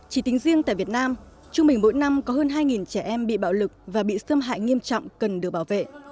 chỉ tính riêng tại việt nam trung bình mỗi năm có hơn hai trẻ em bị bạo lực và bị xâm hại nghiêm trọng cần được bảo vệ